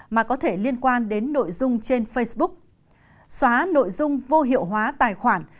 mà có thể liên quan đến nội dung trên facebook xóa nội dung vô hiệu hóa tài khoản